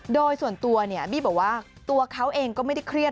โดยส่วนตัวเนี่ยบี้บอกว่าตัวเขาเองก็ไม่ได้เครียด